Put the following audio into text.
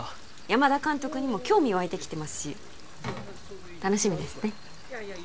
山田監督にも興味湧いてきてますし楽しみですね